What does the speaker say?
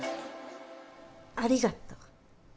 ありがとう。